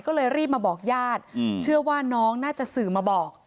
ก็เลยรีบมาบอกญาติเชื่อว่าน้องน่าจะสื่อมาบอก